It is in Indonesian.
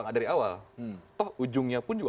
dari awal toh ujungnya pun juga